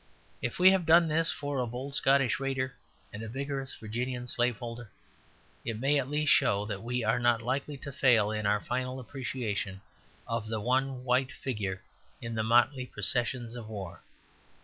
If we have done this for a bold Scottish raider and a vigorous Virginian slave holder, it may at least show that we are not likely to fail in our final appreciation of the one white figure in the motley processions of war.